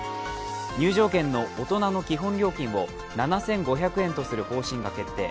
入場券の大人の基本料金を７５００円とする方針を決定。